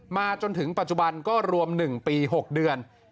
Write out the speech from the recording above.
จนถึงปัจจุบันก็รวม๑ปี๖เดือน